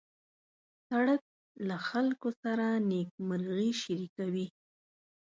سړک له خلکو سره نېکمرغي شریکوي.